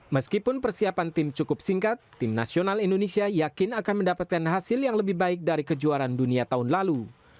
meskipun persiapan tim cukup singkat tim nasional indonesia yakin akan mendapatkan hasil yang lebih baik dari kejuaraan dunia tahun lalu